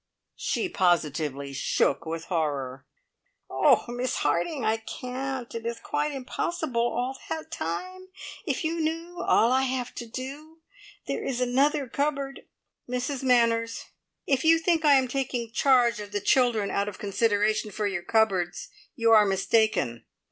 She positively shook with horror. "Oh, Miss Harding, I can't. It is quite impossible! All that time? If you knew all I have to do. There is another cupboard " "Mrs Manners, if you think I am taking charge of the children out of consideration for your cupboards, you are mistaken.